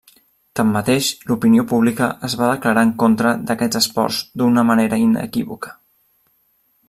Tanmateix, l'opinió pública es va declarar en contra d'aquests esports d'una manera inequívoca.